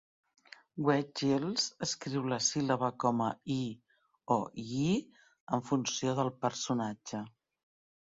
Wade-Giles escriu la síl·laba com a "i" o "yi" en funció del personatge.